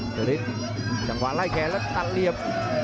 สุริริตรจังหวะลายแกนและตังเหลียบ